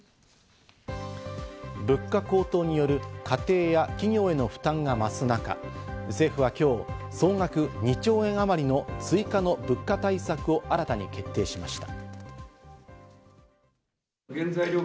物価高騰による家庭や企業への負担が増す中、政府は今日、総額２兆円あまりの追加の物価対策を新たに決定しました。